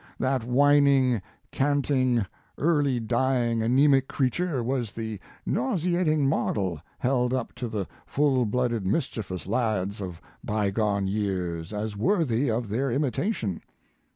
That whining, canting, early dying, anaemic creature was the nau seating model held up to the full blooded mischievous lads of by gone years as worthy of their imitation.